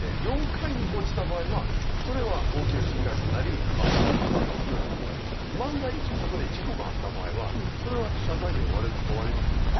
領海に落ちた場合はそれは大きな侵害となり反発は強いと思うんですけど万が一そこで事故があった場合はそれは謝罪で終わりますよ。